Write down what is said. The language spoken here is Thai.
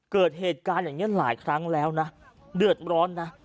เกิดเหตุการณ์อย่างนี้หลายครั้งแล้วนะเดือดร้อนนะ